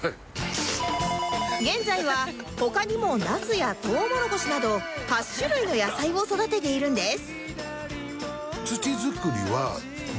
現在は他にもナスやとうもろこしなど８種類の野菜を育てているんです